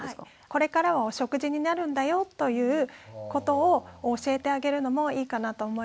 「これからはお食事になるんだよ」ということを教えてあげるのもいいかなと思います。